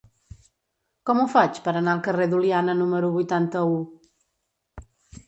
Com ho faig per anar al carrer d'Oliana número vuitanta-u?